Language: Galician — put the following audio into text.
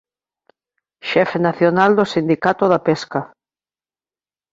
Xefe Nacional do Sindicato da Pesca.